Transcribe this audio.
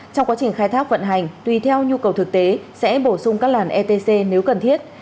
trong quá trình khai thác vận hành tùy theo nhu cầu thực tế sẽ bổ sung các làn etc nếu cần thiết